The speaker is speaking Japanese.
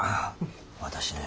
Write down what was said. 私ね